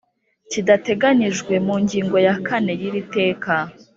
Kidateganyijwe mu ngingo ya kane y’iri teka